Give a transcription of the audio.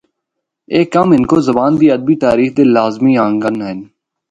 اے کم ہندکو زبان دی ادبی تاریخ دے لازمی آنگا ہن۔